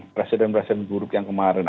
presiden presiden buruk yang kemarin